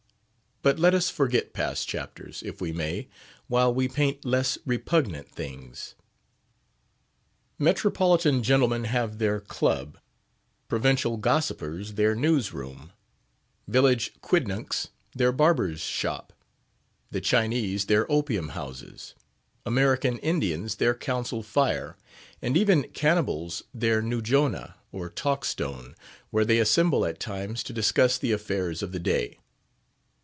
But let us forget past chapters, if we may, while we paint less repugnant things. Metropolitan gentlemen have their club; provincial gossipers their news room; village quidnuncs their barber's shop; the Chinese their opium houses; American Indians their council fire; and even cannibals their Noojona, or Talk Stone, where they assemble at times to discuss the affairs of the day.